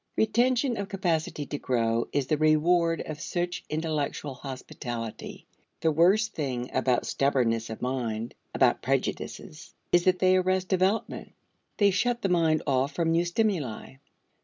Retention of capacity to grow is the reward of such intellectual hospitality. The worst thing about stubbornness of mind, about prejudices, is that they arrest development; they shut the mind off from new stimuli.